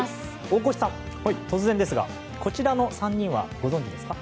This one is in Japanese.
大越さん、突然ですがこちらの３人はご存じですか？